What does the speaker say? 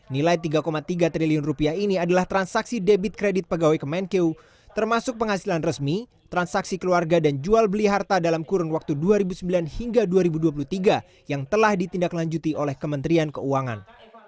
nilai tiga tiga triliun rupiah ini adalah transaksi debit kredit pegawai kemenkeu termasuk penghasilan resmi transaksi keluarga dan jual beli harta dalam kurun waktu dua ribu sembilan hingga dua ribu dua puluh tiga yang telah ditindaklanjuti oleh kementerian keuangan